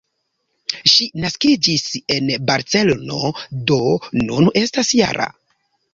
Ŝi naskiĝis en Barcelono, do nun estas -jara.